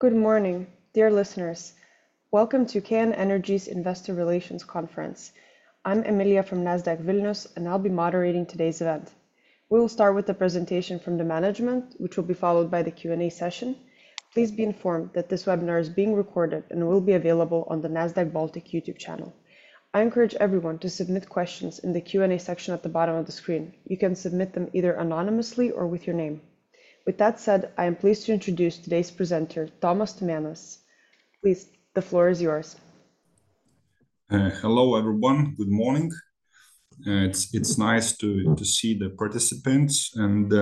Good morning, dear listeners. Welcome to KN Energies Investor Relations Conference. I'm Emilia from Nasdaq Vilnius, and I'll be moderating today's event. We will start with the presentation from the management, which will be followed by the Q&A session. Please be informed that this webinar is being recorded and will be available on the Nasdaq Baltic YouTube channel. I encourage everyone to submit questions in the Q&A section at the bottom of the screen. You can submit them either anonymously or with your name. With that said, I am pleased to introduce today's presenter, Tomas Tumėnas. Please, the floor is yours. Hello, everyone. Good morning. It's nice to see the participants and,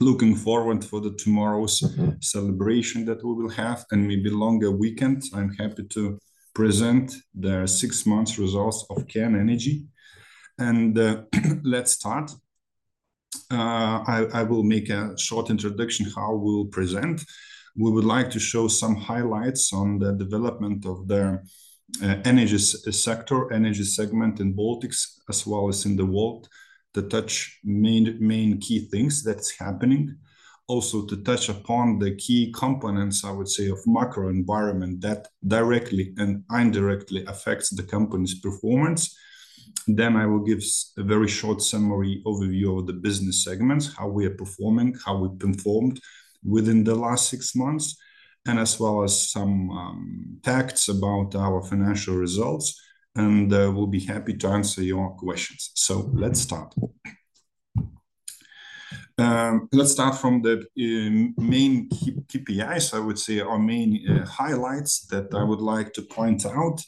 looking forward for the tomorrow's celebration that we will have, and maybe longer weekend. I'm happy to present the 6 months results of KN Energies. Let's start. I will make a short introduction how we'll present. We would like to show some highlights on the development of the energy sector, energy segment in Baltics, as well as in the world. To touch main key things that's happening. Also, to touch upon the key components, I would say, of macro environment that directly and indirectly affects the company's performance. Then I will give a very short summary overview of the business segments, how we are performing, how we performed within the last six months, and as well as some facts about our financial results, and we'll be happy to answer your questions. So let's start. Let's start from the main key KPIs, I would say, our main highlights that I would like to point out.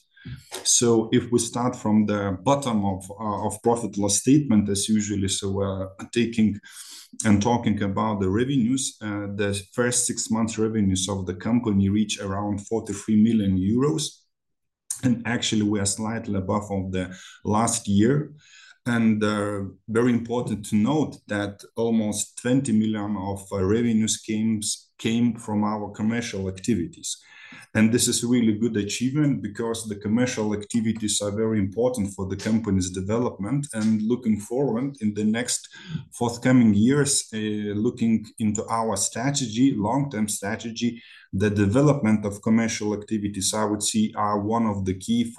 So if we start from the bottom of profit loss statement, as usual, so we're taking and talking about the revenues. The first six months revenues of the company reach around 43 million euros, and actually, we are slightly above the last year. And very important to note that almost 20 million of revenues came from our commercial activities. And this is a really good achievement because the commercial activities are very important for the company's development. And looking forward in the next forthcoming years, looking into our strategy, long-term strategy, the development of commercial activities, I would see are one of the key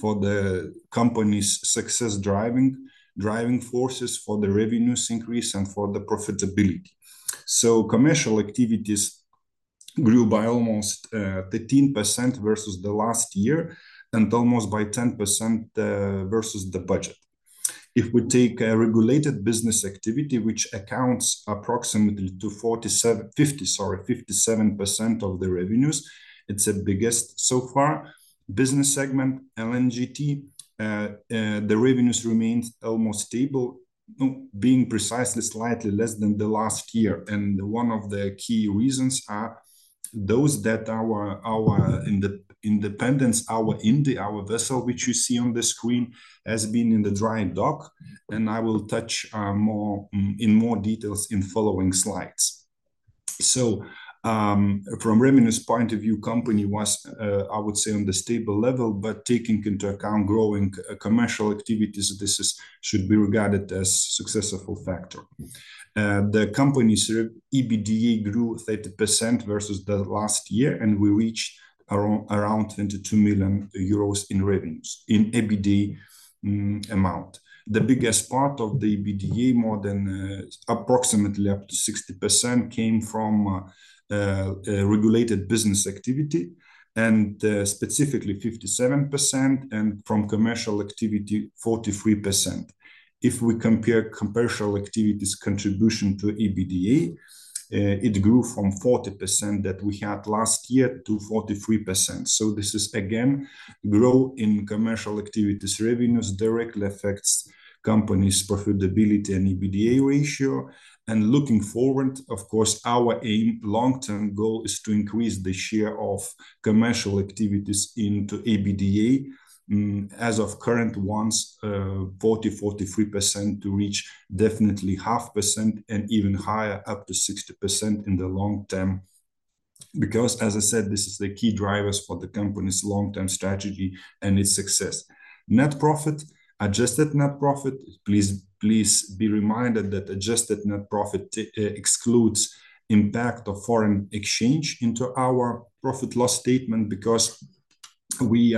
for the company's success, driving forces, for the revenues increase and for the profitability. So commercial activities grew by almost 13% versus the last year, and almost by 10% versus the budget. If we take a regulated business activity, which accounts approximately to 47... 50, sorry, 57% of the revenues, it's the biggest so far business segment, LNGT, the revenues remained almost stable, being precisely slightly less than the last year. One of the key reasons are those that our independence, our Indie, our vessel, which you see on the screen, has been in the dry dock, and I will touch more in more details in following slides. From revenues point of view, company was I would say on the stable level, but taking into account growing commercial activities, this should be regarded as successful factor. The company's EBITDA grew 30% versus the last year, and we reached around 22 million euros in revenues, in EBITDA amount. The biggest part of the EBITDA, more than approximately up to 60%, came from regulated business activity, and specifically 57%, and from commercial activity, 43%. If we compare commercial activities contribution to EBITDA, it grew from 40% that we had last year to 43%. So this is, again, growth in commercial activities. Revenues directly affects company's profitability and EBITDA ratio. And looking forward, of course, our aim, long-term goal is to increase the share of commercial activities into EBITDA. As of current, from 43% to reach definitely 50% and even higher, up to 60% in the long term. Because, as I said, this is the key drivers for the company's long-term strategy and its success. Net profit, adjusted net profit, please be reminded that adjusted net profit excludes impact of foreign exchange into our profit loss statement. Because we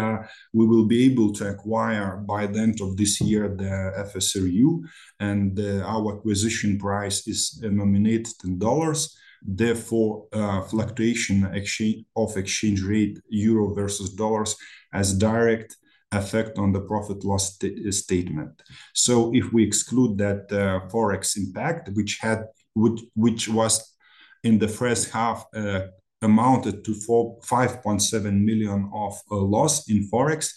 will be able to acquire, by the end of this year, the FSRU, and our acquisition price is nominated in U.S. dollars. Therefore, fluctuation exchange of exchange rate, euro versus dollars, has direct effect on the profit loss statement. So if we exclude that, Forex impact, which was in the first half, amounted to 5.7 million of loss in Forex,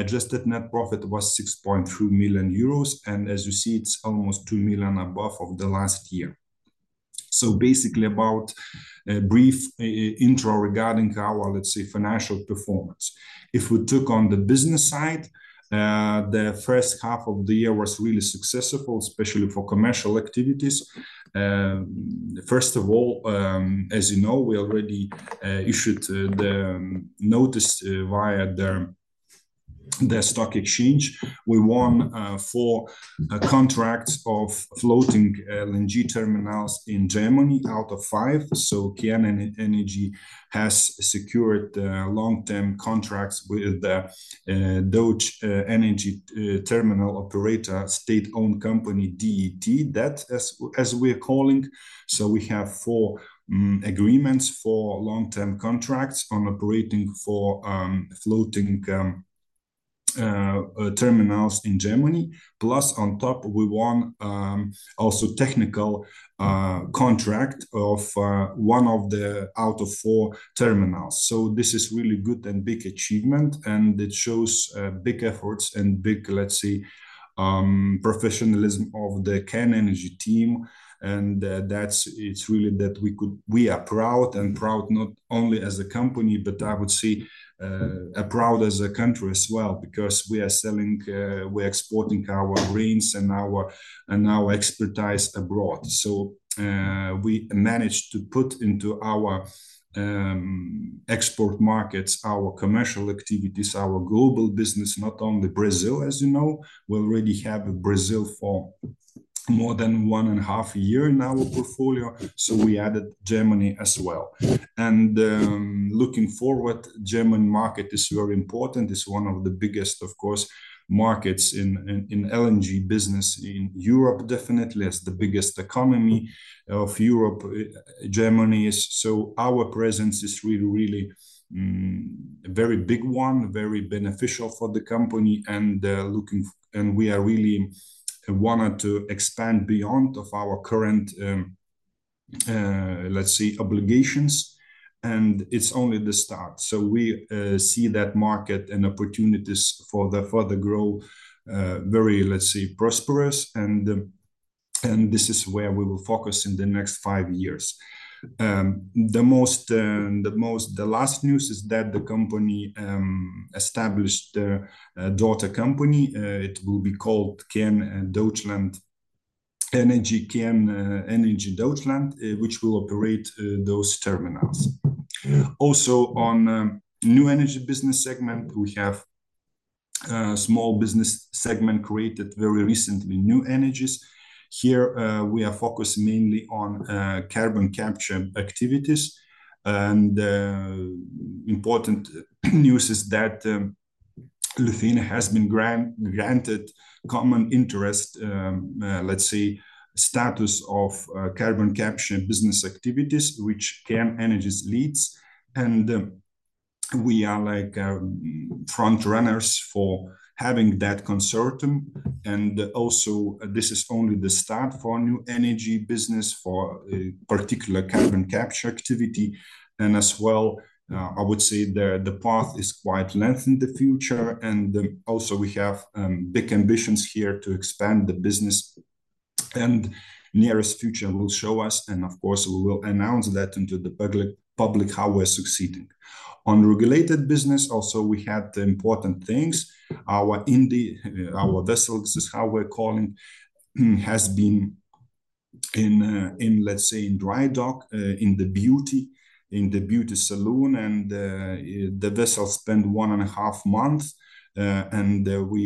adjusted net profit was 6.3 million euros. And as you see, it's almost 2 million above of the last year. So basically, about a brief intro regarding our, let's say, financial performance. If we took on the business side, the first half of the year was really successful, especially for commercial activities. First of all, as you know, we already issued the notice via the stock exchange. We won four contracts of floating LNG terminals in Germany out of five. So, KN Energy has secured long-term contracts with the Deutsche Energy Terminal GmbH, state-owned company, DET, that's as we're calling. So we have 4 agreements for long-term contracts on operating 4 floating terminals in Germany. Plus, on top, we won also technical contract of one out of the 4 terminals. So this is really good and big achievement, and it shows big efforts and big, let's say, professionalism of the KN Energy team. And that's it. It's really that we could. We are proud, and proud not only as a company, but I would say proud as a country as well, because we are selling, we're exporting our greens and our expertise abroad. So, we managed to put into our export markets, our commercial activities, our global business, not only Brazil, as you know. We already have Brazil for more than 1.5 year in our portfolio, so we added Germany as well. Looking forward, German market is very important. It's one of the biggest, of course, markets in LNG business in Europe. Definitely, it's the biggest economy of Europe, Germany is. So our presence is really, really, a very big one, very beneficial for the company, and looking. And we are really wanna to expand beyond of our current, let's say, obligations, and it's only the start. So we see that market and opportunities for the further growth, very, let's say, prosperous, and this is where we will focus in the next five years. The last news is that the company established a daughter company. It will be called KN Energies Deutschland, KN Energy Deutschland, which will operate those terminals. Also, on new energy business segment, we have small business segment created very recently, new energies. Here, we are focused mainly on carbon capture activities, and important news is that Lithuania has been granted common interest, let's say, status of carbon capture business activities, which KN Energy leads. And we are like front runners for having that consortium, and also, this is only the start for a new energy business, for a particular carbon capture activity. As well, I would say the path is quite long in the future, and also we have big ambitions here to expand the business. And nearest future will show us, and of course, we will announce that to the public how we're succeeding. On regulated business, also we had important things. Our Indie, our vessel, this is how we're calling, has been in, let's say, in dry dock, in the beauty salon. And the vessel spent 1.5 months, and we,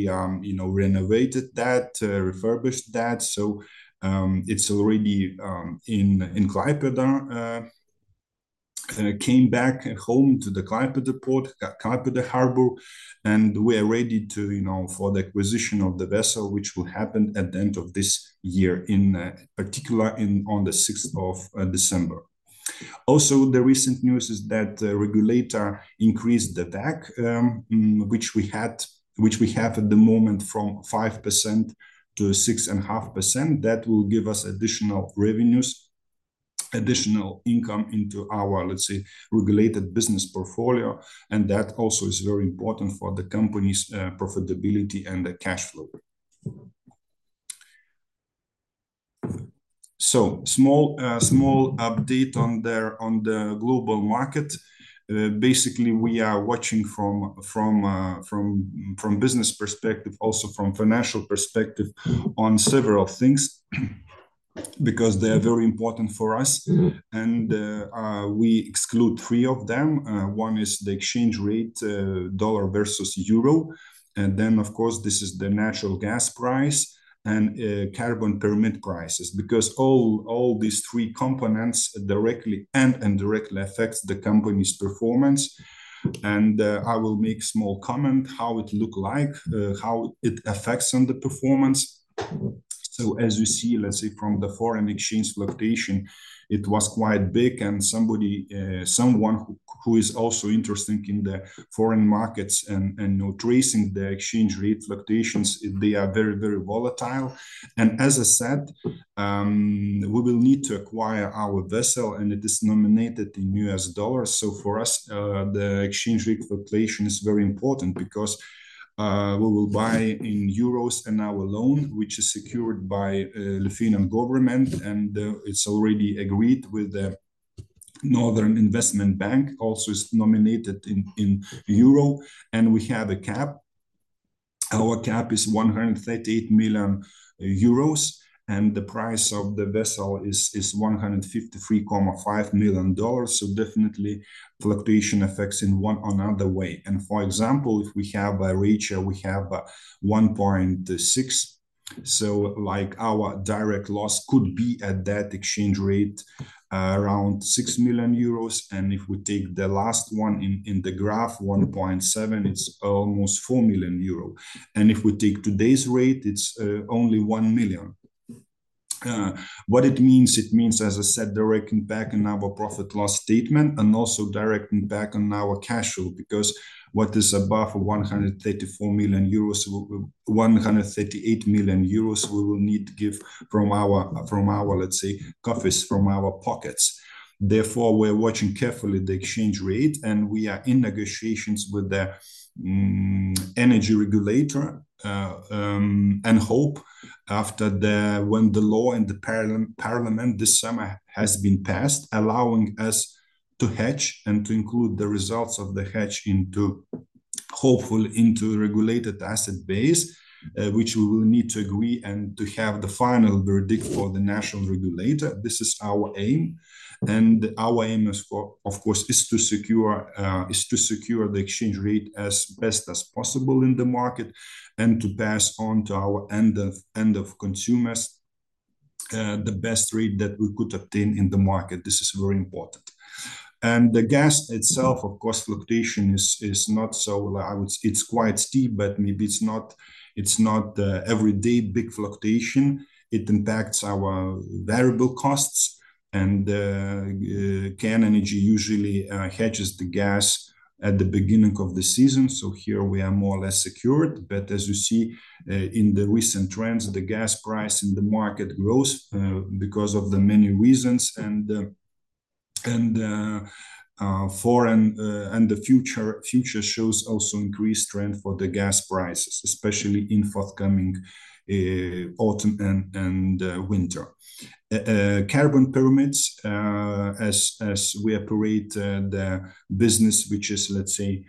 you know, renovated that, refurbished that. So, it's already in Klaipėda. It came back home to the Klaipėda port, Klaipėda Harbor, and we are ready to, you know, for the acquisition of the vessel, which will happen at the end of this year, in particular, in, on the sixth of December. Also, the recent news is that the regulator increased the WACC, which we had, which we have at the moment, from 5%-6.5%. That will give us additional revenues, additional income into our, let's say, regulated business portfolio, and that also is very important for the company's, profitability and the cash flow. So small, small update on the, on the global market. Basically, we are watching from business perspective, also from financial perspective, on several things, because they are very important for us. And we exclude three of them. One is the exchange rate, dollar versus euro, and then, of course, this is the natural gas price and, carbon permit prices. Because all these three components directly and indirectly affect the company's performance. And I will make small comment how it look like, how it affects on the performance. So as you see, let's say from the foreign exchange fluctuation, it was quite big, and somebody, someone who is also interested in the foreign markets and, you know, tracing the exchange rate fluctuations, they are very, very volatile. And as I said, we will need to acquire our vessel, and it is nominated in U.S. dollars. So for us, the exchange rate fluctuation is very important because we will buy in euros, and our loan, which is secured by Lithuanian government, and it's already agreed with the Northern Investment Bank, also is nominated in euro, and we have a cap—our cap is 138 million euros, and the price of the vessel is $153.5 million. So definitely, fluctuation affects in one or another way. And for example, if we have a ratio, we have 1.6. So like our direct loss could be at that exchange rate around 6 million euros. And if we take the last one in the graph, 1.7, it's almost 4 million euro. And if we take today's rate, it's only 1 million. What it means? It means, as I said, directing back on our profit and loss statement and also directing back on our cash flow, because what is above 134 million euros, 138 million euros, we will need to give from our, from our, let's say, coffers, from our pockets. Therefore, we're watching carefully the exchange rate, and we are in negotiations with the energy regulator, and hope after when the law in Parliament this summer has been passed, allowing us to hedge and to include the results of the hedge into, hopefully into regulated asset base, which we will need to agree and to have the final verdict for the national regulator. This is our aim, and our aim is for, of course, is to secure, is to secure the exchange rate as best as possible in the market, and to pass on to our end of, end of consumers, the best rate that we could obtain in the market. This is very important. And the gas itself, of course, fluctuation is, is not so... It's quite steep, but maybe it's not, it's not, everyday big fluctuation. It impacts our variable costs, and, KN Energies usually, hedges the gas at the beginning of the season. So here we are more or less secured. But as you see, in the recent trends, the gas price in the market grows, because of the many reasons and the foreign, and the future shows also increased trend for the gas prices, especially in forthcoming autumn and winter. Carbon permits, as we operate the business, which is, let's say,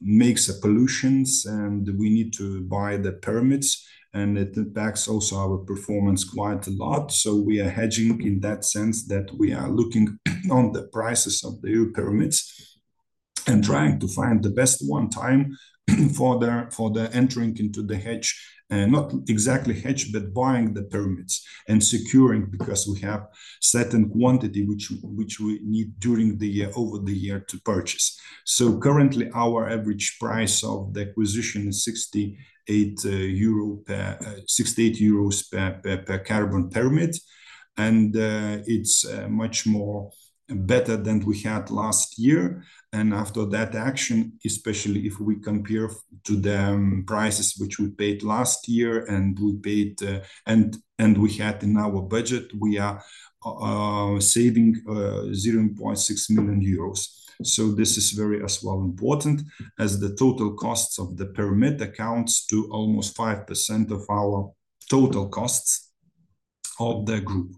makes pollution, and we need to buy the permits, and it impacts also our performance quite a lot. So we are hedging in that sense that we are looking on the prices of the permits and trying to find the best one time for the entering into the hedge. Not exactly hedge, but buying the permits and securing, because we have certain quantity which we need during the year, over the year to purchase. So currently, our average price of the acquisition is 68 euro per carbon permit, and it's much more better than we had last year. And after that action, especially if we compare to the prices which we paid last year and we paid, and we had in our budget, we are saving 0.6 million euros. So this is very as well important, as the total costs of the permit accounts to almost 5% of our total costs of the group.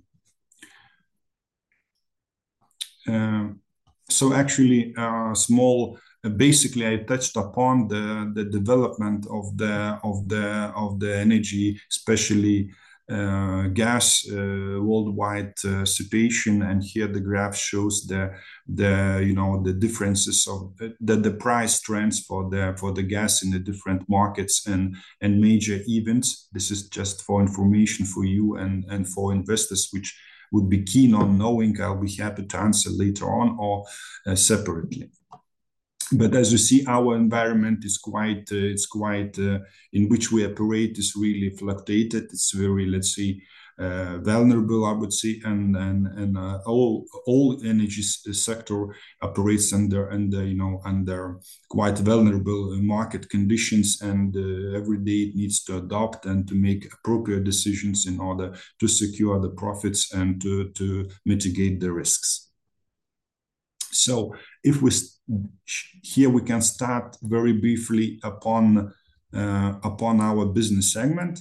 So actually, small... Basically, I touched upon the development of the energy, especially gas, worldwide situation. And here the graph shows the, you know, the differences of the price trends for the gas in the different markets and major events. This is just for information for you and for investors, which would be keen on knowing. I'll be happy to answer later on or separately. But as you see, our environment is quite, it's quite, in which we operate, is really fluctuated. It's very, let's say, vulnerable, I would say, and all energy sector operates under, you know, under quite vulnerable market conditions. And every day it needs to adopt and to make appropriate decisions in order to secure the profits and to mitigate the risks. So if we... Here we can start very briefly upon our business segment.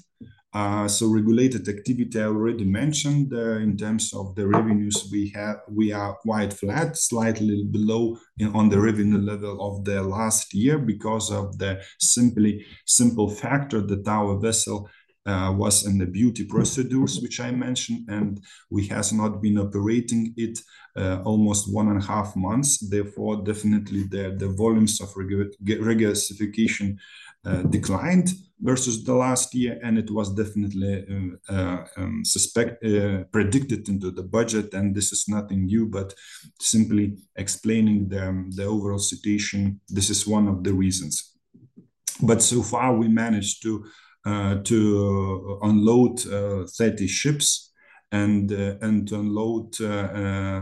So regulated activity, I already mentioned, in terms of the revenues we have, we are quite flat, slightly below in, on the revenue level of the last year, because of the simply simple factor that our vessel was in the dry dock, which I mentioned, and we has not been operating it almost 1.5 months. Therefore, definitely the volumes of regasification declined versus the last year, and it was definitely expected into the budget, and this is nothing new, but simply explaining the overall situation. This is one of the reasons. But so far, we managed to unload 30 ships and unload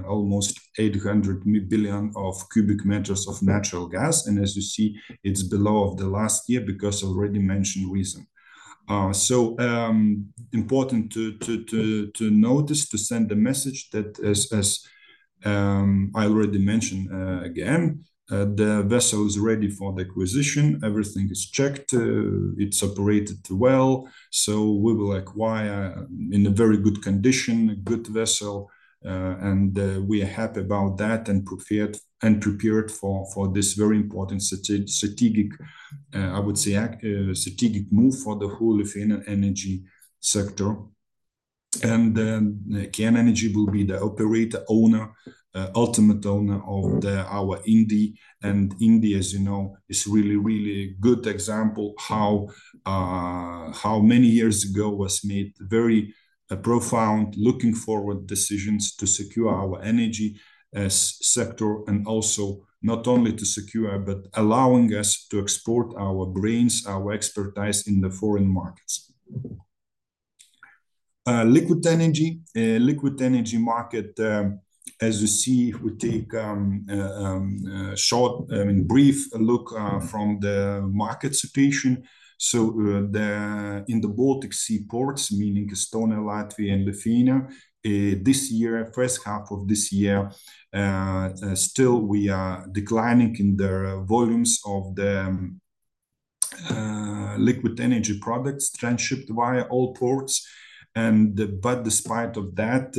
almost 800 billion cubic meters of natural gas. And as you see, it's below of the last year because already mentioned reason. Important to notice, to send a message that as I already mentioned again, the vessel is ready for the acquisition. Everything is checked. It's operated well. So we will acquire in a very good condition a good vessel, and we are happy about that, and prepared for this very important strategic, I would say, strategic move for the whole energy sector, and then KN Energy will be the operator owner, ultimate owner of our Indi. And Indi, as you know, is really, really good example how many years ago was made very profound looking forward decisions to secure our energy sector, and also not only to secure but allowing us to export our brains, our expertise in the foreign markets. Liquid energy. Liquid energy market, as you see, we take a short, I mean, brief look from the market situation. So, in the Baltic Sea ports, meaning Estonia, Latvia, and Lithuania, this year, first half of this year, still we are declining in the volumes of the liquid energy products transshipped via all ports. But despite of that,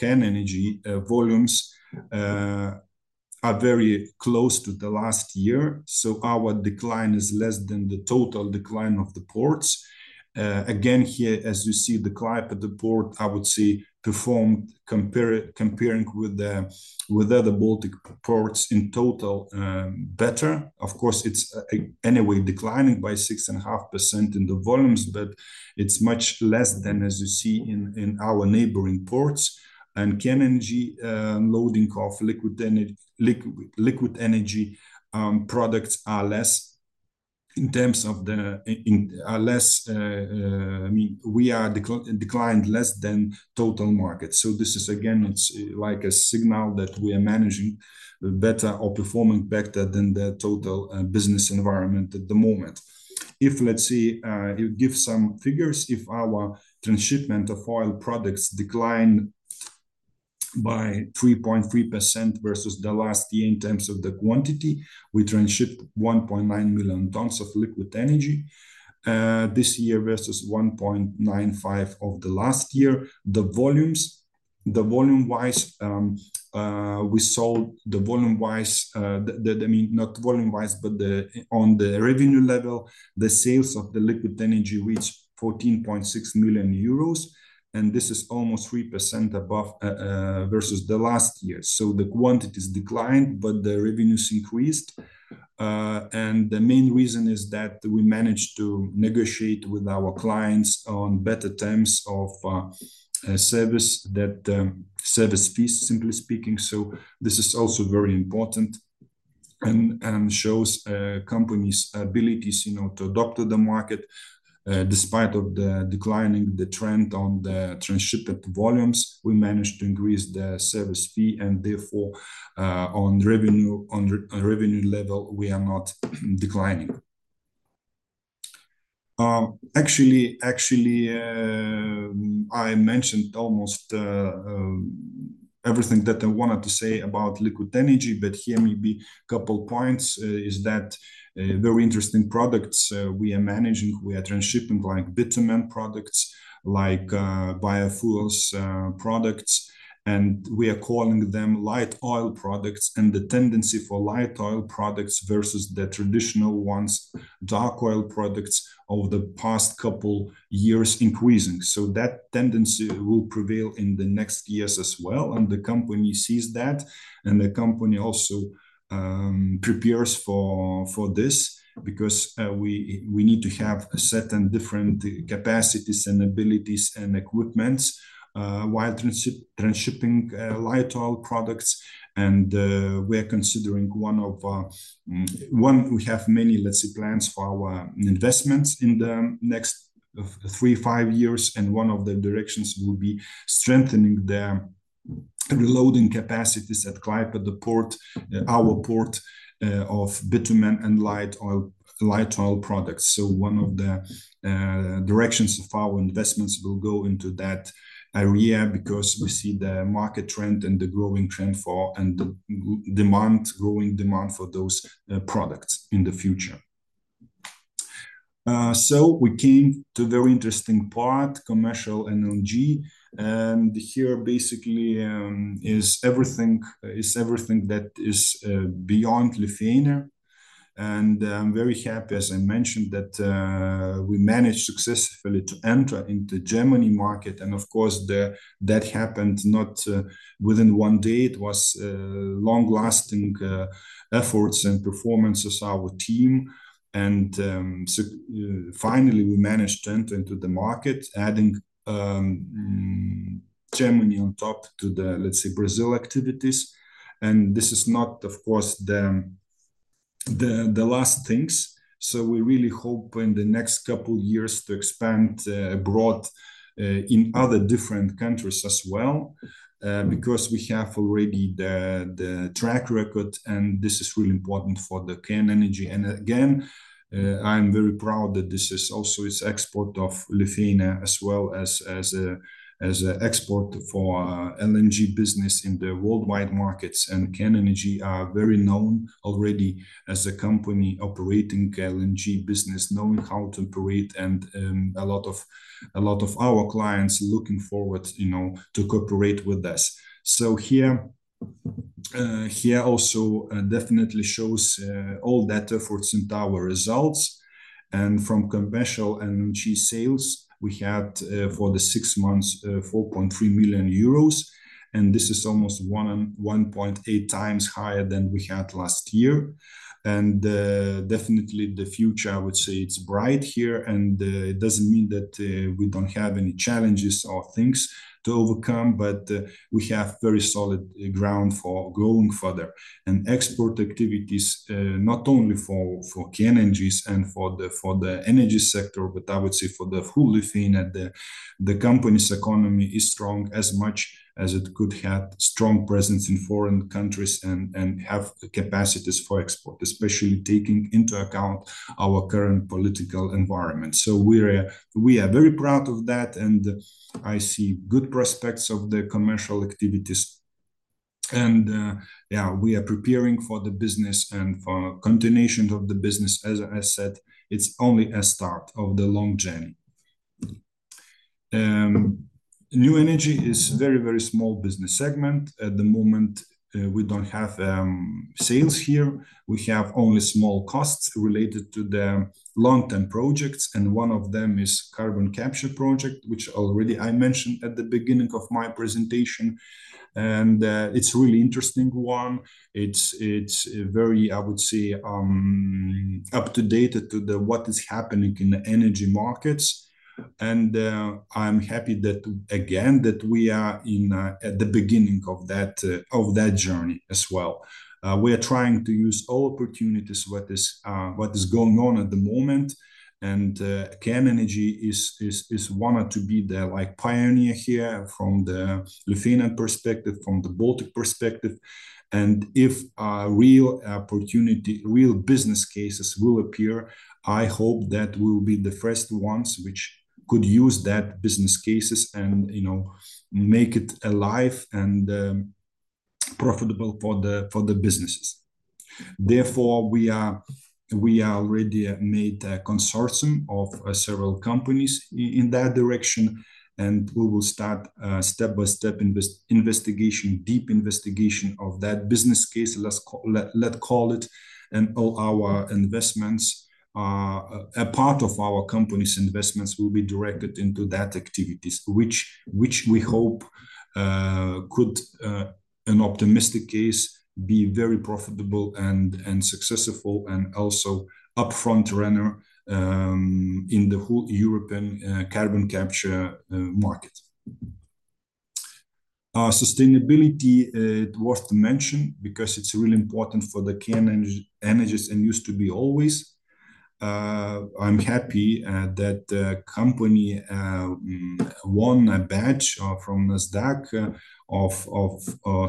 KN Energy volumes are very close to the last year, so our decline is less than the total decline of the ports. Again, here, as you see, the Klaipėda port, I would say, performed comparing with other Baltic ports in total, better. Of course, it's anyway, declining by 6.5% in the volumes, but it's much less than as you see in our neighboring ports. KN Energy loading of liquid energy, liquid energy products are less in terms of the... in, are less, I mean, we are declined less than total market. So this is again, it's like a signal that we are managing better or performing better than the total business environment at the moment. If, let's say, you give some figures, if our transshipment of oil products declined by 3.3% versus the last year in terms of the quantity, we transshipped 1.9 million tons of liquid energy this year, versus 1.95 million tons of the last year. The volumes, volume-wise, we sold volume-wise, I mean, not volume-wise, but on the revenue level, the sales of the liquid energy reached 14.6 million euros, and this is almost 3% above versus the last year. So the quantities declined, but the revenues increased. And the main reason is that we managed to negotiate with our clients on better terms of service, that service fee, simply speaking. So this is also very important and shows company's abilities, you know, to adapt to the market. Despite of the declining the trend on the transshipped volumes, we managed to increase the service fee, and therefore, on revenue, revenue level, we are not declining. Actually, actually, I mentioned almost everything that I wanted to say about liquid energy, but here maybe a couple points is that very interesting products we are managing, we are transshipping, like bitumen products, like biofuels products, and we are calling them light oil products. And the tendency for light oil products versus the traditional ones, dark oil products, over the past couple years increasing. So that tendency will prevail in the next years as well, and the company sees that, and the company also prepares for, for this because we, we need to have a certain different capacities and abilities and equipments while transship, transshipping light oil products. And we are considering one of, one... We have many, let's say, plans for our investments in the next 3-5 years, and one of the directions will be strengthening the reloading capacities at Klaipėda port, our port, of bitumen and light oil, light oil products. One of the directions of our investments will go into that area because we see the market trend and the growing trend for, and the demand, growing demand for those products in the future. We came to a very interesting part, commercial LNG, and here basically is everything, is everything that is beyond Lithuania. I'm very happy, as I mentioned, that we managed successfully to enter into the German market. Of course, that happened not within one day. It was long-lasting efforts and performances, our team. Finally, we managed to enter into the market, adding Germany on top to the, let's say, Brazil activities. This is not, of course, the last things. So we really hope in the next couple years to expand abroad in other different countries as well, because we have already the track record, and this is really important for the KN Energy. And again, I'm very proud that this is also is export of Lithuania as well as, as a, as a export for LNG business in the worldwide markets. And KN Energy are very known already as a company operating LNG business, knowing how to operate and a lot of our clients looking forward, you know, to cooperate with us. So here also definitely shows all data for Šintava results. From commercial energy sales, we had, for the six months, 4.3 million euros, and this is almost 1.18 times higher than we had last year. And, definitely the future, I would say it's bright here, and, it doesn't mean that, we don't have any challenges or things to overcome, but, we have very solid ground for going further. And export activities, not only for KN Energies and for the, for the energy sector, but I would say for the whole Lithuania, the, the company's economy is strong, as much as it could have strong presence in foreign countries and, and have the capacities for export, especially taking into account our current political environment. So we are, we are very proud of that, and I see good prospects of the commercial activities. We are preparing for the business and for continuation of the business. As I said, it's only a start of the long journey. New energy is very, very small business segment. At the moment, we don't have sales here. We have only small costs related to the long-term projects, and one of them is Carbon Capture project, which already I mentioned at the beginning of my presentation, and it's really interesting one. It's very, I would say, up-to-date to what is happening in the energy markets. I'm happy that, again, that we are at the beginning of that journey as well. We are trying to use all opportunities what is, what is going on at the moment, and, KN Energies is, is, is one or to be the, like, pioneer here from the Lithuanian perspective, from the Baltic perspective. And if a real opportunity, real business cases will appear, I hope that we'll be the first ones which could use that business cases and, you know, make it alive and, profitable for the, for the businesses. Therefore, we are, we already made a consortium of, several companies in, in that direction, and we will start, step-by-step investigation, deep investigation of that business case, let's call it. All our investments, a part of our company's investments will be directed into that activities, which we hope could, in an optimistic case, be very profitable and successful, and also upfront runner in the whole European Carbon Capture market. Sustainability worth to mention, because it's really important for the KN Energies, and used to be always. I'm happy that the company won a badge from Nasdaq of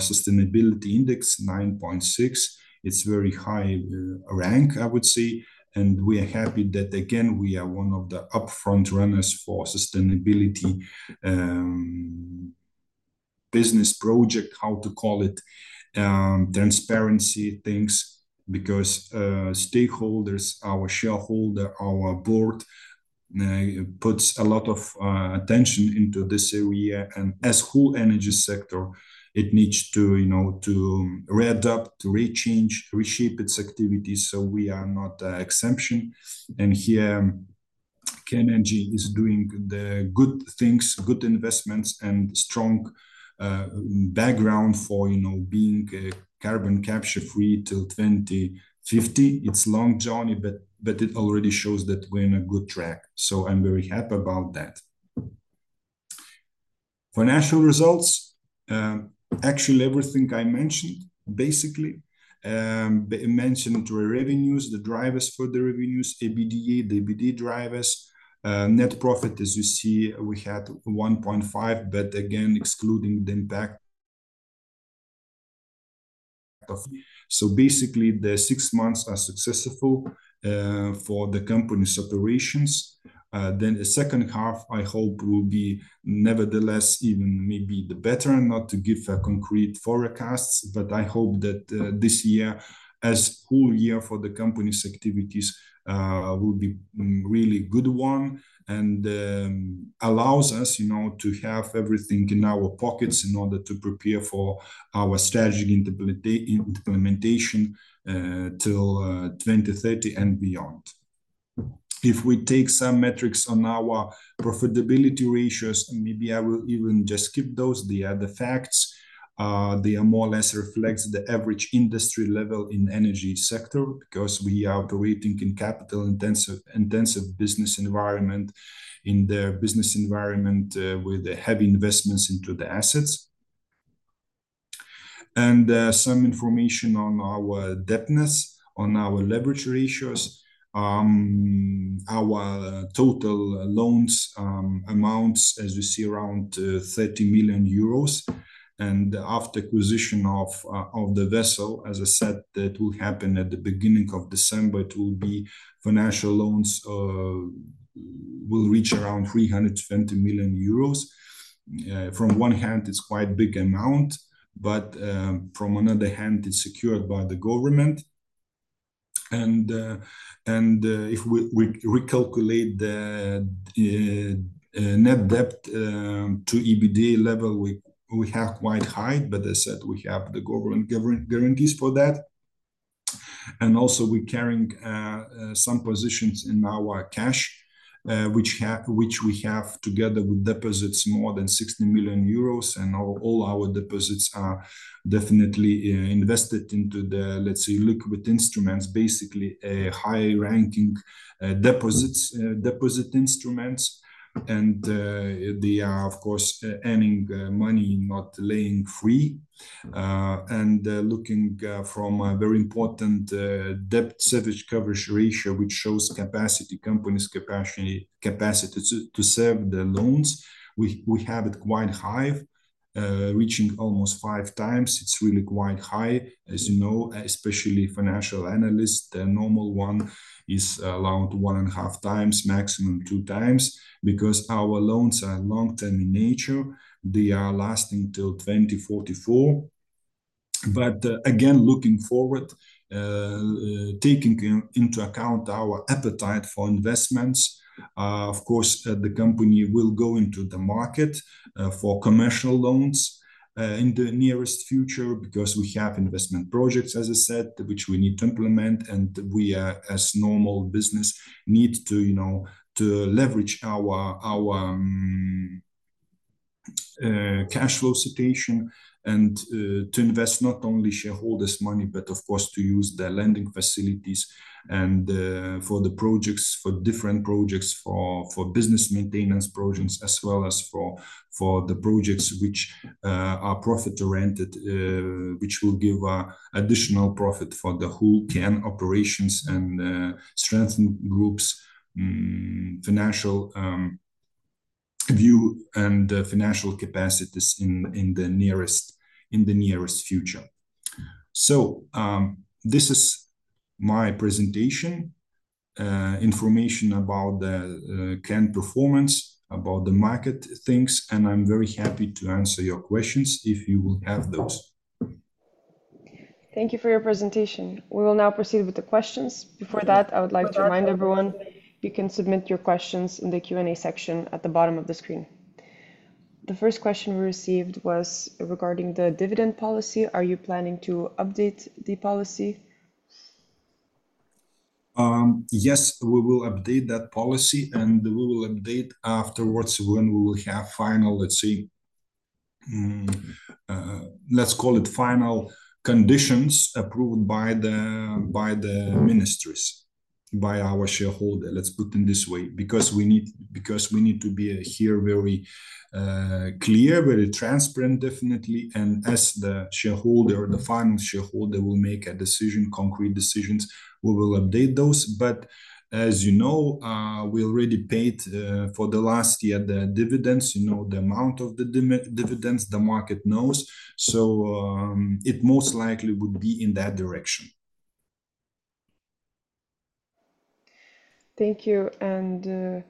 sustainability index 9.6. It's very high rank, I would say, and we are happy that again, we are one of the upfront runners for sustainability business project, how to call it? Transparency things, because stakeholders, our shareholder, our board puts a lot of attention into this area. As the whole energy sector, it needs to, you know, to adapt, to rechange, reshape its activities, so we are not an exception. And here, KN Energies is doing the good things, good investments, and strong background for, you know, being a carbon capture free till 2050. It's long journey, but, but it already shows that we're in a good track. So I'm very happy about that. Financial results, actually, everything I mentioned, basically, mentioned the revenues, the drivers for the revenues, EBITDA, EBITDA drivers, net profit, as you see, we had 1.5, but again, excluding the impact of... So basically, the six months are successful, for the company's operations. Then the second half, I hope will be nevertheless, even maybe the better, not to give concrete forecasts, but I hope that, this year, as whole year for the company's activities, will be, really good one, and, allows us, you know, to have everything in our pockets in order to prepare for our strategic implementation, till 2030 and beyond. If we take some metrics on our profitability ratios, maybe I will even just skip those. They are the facts. They are more or less reflects the average industry level in energy sector, because we are operating in capital-intensive business environment, in the business environment, with heavy investments into the assets. And, some information on our indebtedness, on our leverage ratios. Our total loans, amounts, as you see, around, 30 million euros. After acquisition of the vessel, as I said, that will happen at the beginning of December. Financial loans will reach around 320 million euros. On one hand, it's quite big amount, but on the other hand, it's secured by the government and if we recalculate the net debt to EBITDA level, we have quite high, but as I said, we have the government guarantees for that. Also we're carrying some positions in our cash, which we have together with deposits more than 60 million euros, and all our deposits are definitely invested into the, let's say, liquid instruments, basically a high-ranking deposit instruments. And they are, of course, earning money, not delaying free. And looking from a very important debt service coverage ratio, which shows capacity, company's capacity, capacity to serve the loans, we have it quite high, reaching almost 5x. It's really quite high, as you know, especially financial analyst, the normal one is around 1.5x, maximum 2x, because our loans are long-term in nature. They are lasting till 2044. But again, looking forward, taking into account our appetite for investments, of course, the company will go into the market for commercial loans in the nearest future, because we have investment projects, as I said, which we need to implement, and we are, as normal business, need to, you know, to leverage our cash flow situation and to invest not only shareholders' money, but of course, to use the lending facilities and for the projects, for different projects, for business maintenance projects, as well as for the projects which are profit-oriented, which will give additional profit for the whole KN operations and strengthen group's financial view and financial capacities in the nearest future. So, this is my presentation, information about the KN performance, about the market things, and I'm very happy to answer your questions if you will have those. Thank you for your presentation. We will now proceed with the questions. Before that, I would like to remind everyone, you can submit your questions in the Q&A section at the bottom of the screen. The first question we received was regarding the dividend policy. Are you planning to update the policy? Yes, we will update that policy, and we will update afterwards when we will have final, let's say, let's call it final conditions approved by the ministries, by our shareholder. Let's put it this way, because we need to be here very clear, very transparent, definitely, and as the shareholder, the final shareholder will make a decision, concrete decisions, we will update those. But as you know, we already paid for the last year, the dividends, you know, the amount of the dividends the market knows, so it most likely would be in that direction. Thank you.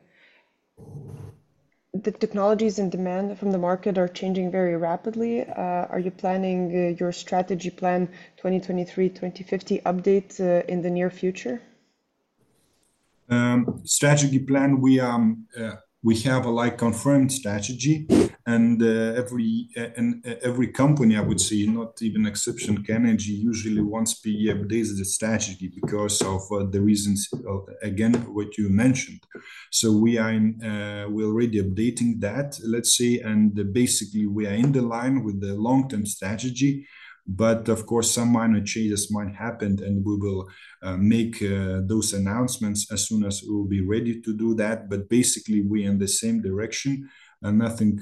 The technologies and demand from the market are changing very rapidly. Are you planning your strategy plan 2023-2050 update in the near future? Strategy plan, we are, we have a, like, confirmed strategy, and, every company, I would say, not even exception, KN Energy usually once per year updates the strategy because of, the reasons, again, what you mentioned. So we are in, we're already updating that, let's say, and basically, we are in the line with the long-term strategy. But of course, some minor changes might happen, and we will, make, those announcements as soon as we will be ready to do that. But basically, we're in the same direction, and nothing,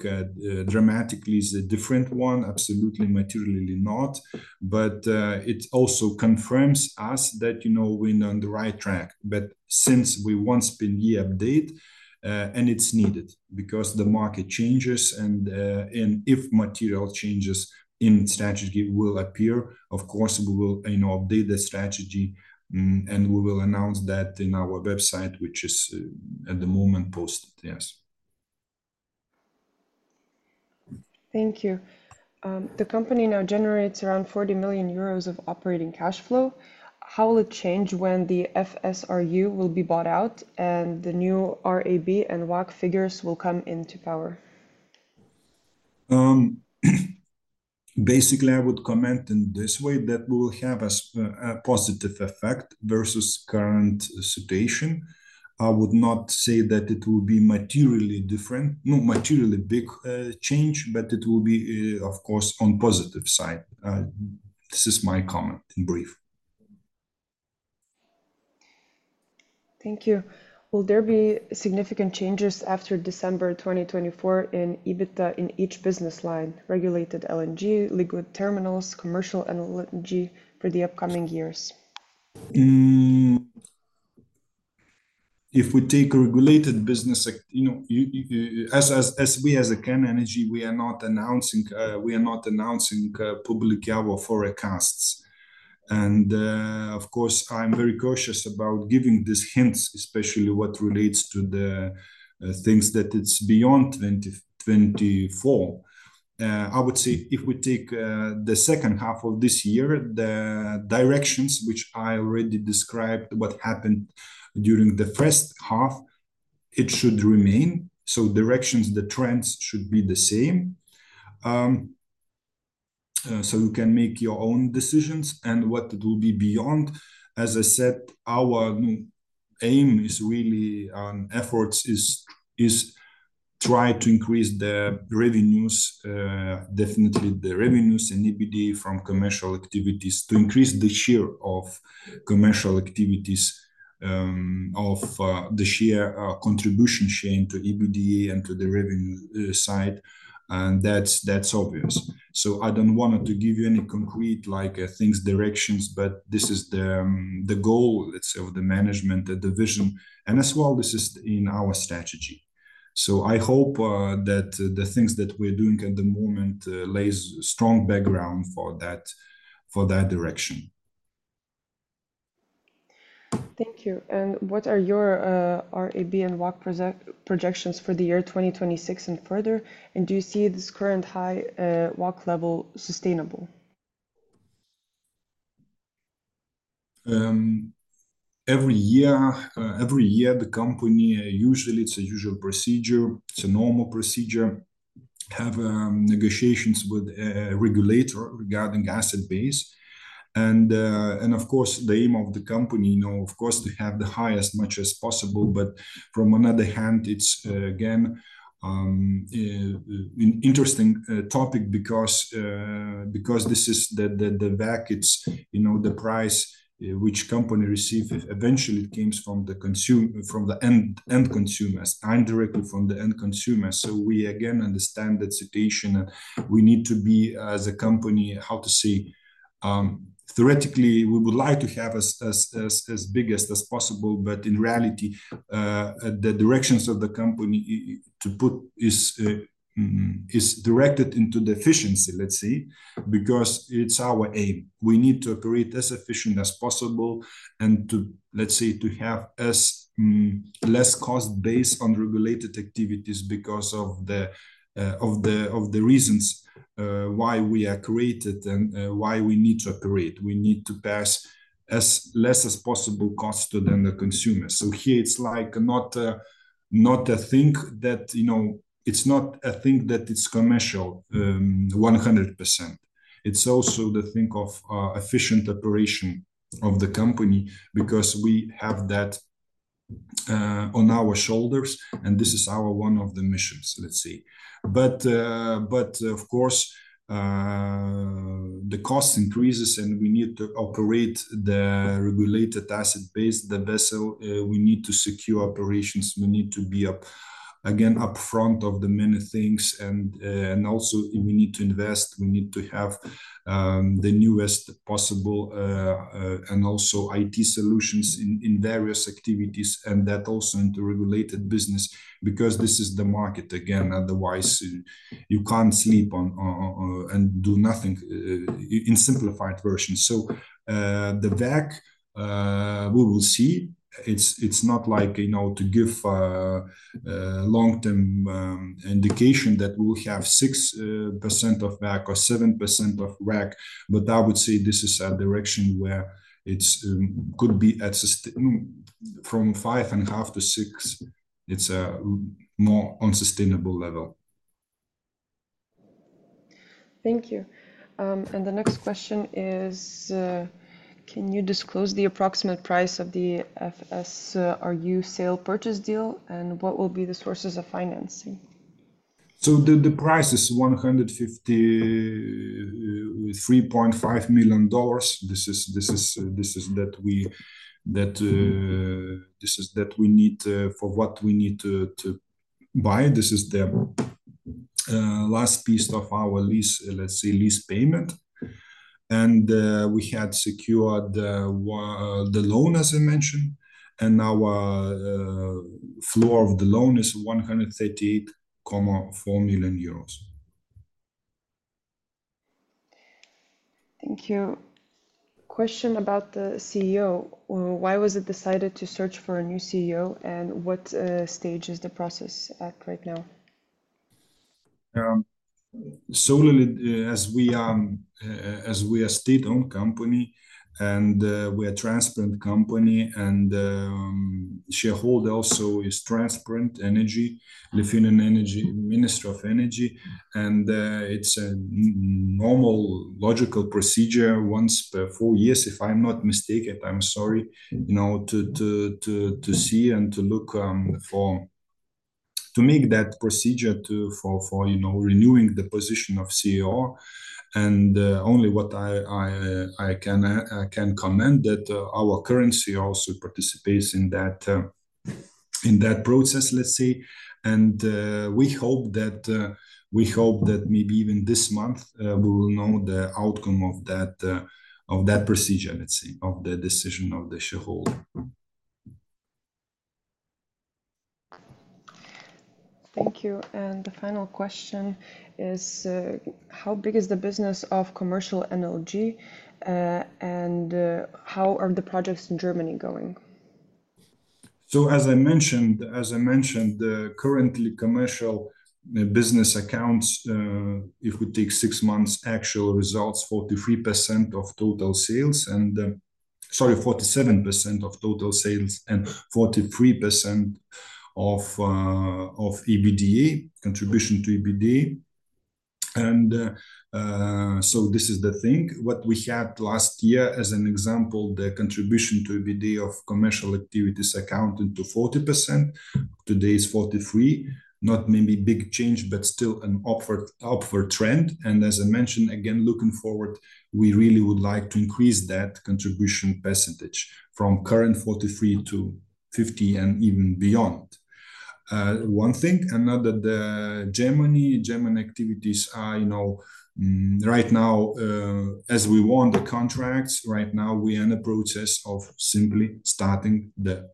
dramatically is a different one, absolutely materially not. But, it also confirms us that, you know, we're on the right track. Since we once per year update, and it's needed because the market changes, and if material changes in strategy will appear, of course, we will, you know, update the strategy, and we will announce that in our website, which is at the moment posted. Yes. Thank you. The company now generates around 40 million euros of operating cash flow. How will it change when the FSRU will be bought out, and the new RAB and WACC figures will come into power? Basically, I would comment in this way, that we will have a positive effect versus current situation. I would not say that it will be materially different, no materially big change, but it will be, of course, on positive side. This is my comment in brief. Thank you. Will there be significant changes after December 2024 in EBITDA in each business line, regulated LNG, liquid terminals, commercial, and LNG for the upcoming years? If we take a regulated business, you know... As we, as KN Energies, we are not announcing publicly our forecasts. And, of course, I'm very cautious about giving these hints, especially what relates to the things that it's beyond 2024. I would say, if we take the second half of this year, the directions which I already described, what happened during the first half... it should remain, so directions, the trends should be the same. So you can make your own decisions and what it will be beyond. As I said, our aim is really to try to increase the revenues, definitely the revenues and EBITDA from commercial activities, to increase the share of commercial activities, of the share contribution share to EBITDA and to the revenue side, and that's obvious. So I don't want to give you any concrete like things directions, but this is the goal, let's say, of the management, the division, and as well, this is in our strategy. So I hope that the things that we're doing at the moment lays strong background for that direction. Thank you. And what are your RAB and WACC projections for the year 2026 and further? And do you see this current high WACC level sustainable? Every year, every year the company, usually, it's a usual procedure, it's a normal procedure, have negotiations with regulator regarding asset base. And, and of course, the aim of the company, you know, of course, to have the highest, much as possible. But from another hand, it's again an interesting topic because this is the WACC, it's you know, the price which company receive. Eventually, it comes from the end consumers, indirectly from the end consumer. So we again understand the situation. We need to be, as a company, how to say... Theoretically, we would like to have as big as that's possible, but in reality, the directions of the company is directed into the efficiency, let's say, because it's our aim. We need to operate as efficient as possible and to, let's say, to have as, less cost base on regulated activities because of the, of the reasons, why we are created and, why we need to operate. We need to pass as less as possible cost to than the consumer. So here it's like not, not a thing that, you know, it's not a thing that it's commercial, 100%. It's also the thing of, efficient operation of the company because we have that, on our shoulders, and this is our one of the missions, let's say. But, but of course, the cost increases, and we need to operate the regulated asset base, the vessel. We need to secure operations. We need to be ahead of the many things, and also we need to invest. We need to have the newest possible and also IT solutions in various activities, and that also into regulated business, because this is the market again. Otherwise, you can't sleep on and do nothing in simplified version. So, the WACC, we will see. It's not like, you know, to give long-term indication that we will have 6% WACC or 7% WACC, but I would say this is a direction where it's could be sustainable from 5.5%-6%. It's more on sustainable level. Thank you. The next question is: Can you disclose the approximate price of the FSRU sale purchase deal, and what will be the sources of financing? So the price is $153.5 million. This is that we need for what we need to buy. This is the last piece of our lease, let's say, lease payment. And we had secured the loan, as I mentioned, and our floor of the loan is 138.4 million EUR. Thank you. Question about the CEO: Why was it decided to search for a new CEO, and what stage is the process at right now? So, as we are state-owned company and we are transparent company, and the shareholder also is the Lithuanian Ministry of Energy. And it's a normal, logical procedure once per 4 years, if I'm not mistaken. I'm sorry, you know, to see and to look for to make that procedure for renewing the position of CEO. And only what I can comment that our current CEO also participates in that process, let's say. And we hope that maybe even this month we will know the outcome of that procedure, let's say, of the decision of the shareholder. Thank you. And the final question is: How big is the business of commercial LNG, and how are the projects in Germany going? So, as I mentioned, currently, commercial business accounts, if we take six months actual results, 43% of total sales, and, sorry, 47% of total sales and 43% of EBITDA, contribution to EBITDA. And, so this is the thing, what we had last year as an example, the contribution to EBITDA of commercial activities accounted to 40%, today is 43%. Not maybe big change, but still an upward trend. And as I mentioned, again, looking forward, we really would like to increase that contribution percentage from current 43%- 50% and even beyond. One thing, the German activities are, you know, right now, as we won the contracts, right now we are in the process of simply starting the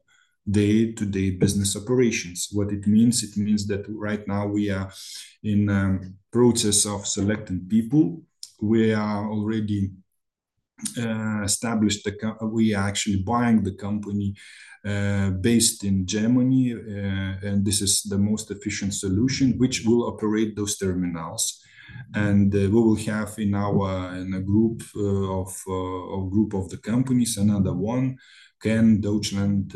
day-to-day business operations. What it means? It means that right now we are in process of selecting people. We are actually buying the company based in Germany, and this is the most efficient solution which will operate those terminals. And we will have in our, in a group of a group of the companies, another one, KN Deutschland,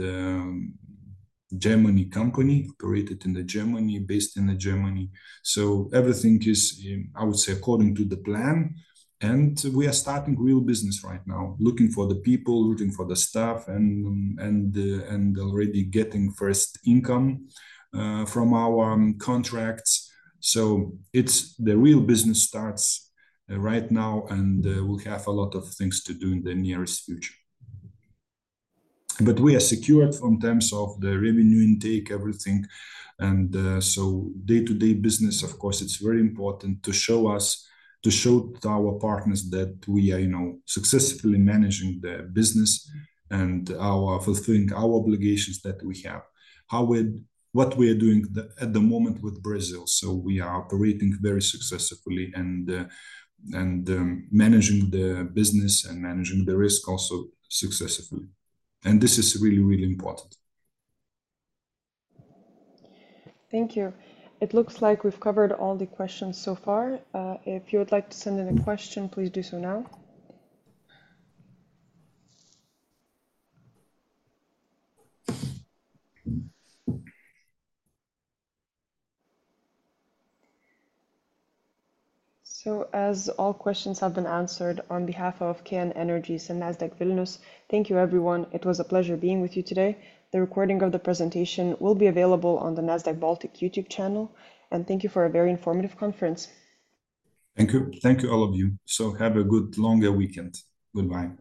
Germany company, operated in the Germany, based in the Germany. So everything is in, I would say, according to the plan, and we are starting real business right now, looking for the people, looking for the staff, and already getting first income from our contracts. So it's the real business starts right now, and we have a lot of things to do in the nearest future. But we are secured from terms of the revenue intake, everything, and so day-to-day business, of course, it's very important to show us, to show to our partners that we are, you know, successfully managing the business and are fulfilling our obligations that we have. What we are doing at the moment with Brazil, so we are operating very successfully and managing the business and managing the risk also successfully. And this is really, really important. Thank you. It looks like we've covered all the questions so far. If you would like to send in a question, please do so now. So as all questions have been answered, on behalf of KN Energies and Nasdaq Vilnius, thank you, everyone. It was a pleasure being with you today. The recording of the presentation will be available on the Nasdaq Baltic YouTube channel, and thank you for a very informative conference. Thank you. Thank you, all of you. So have a good longer weekend. Goodbye.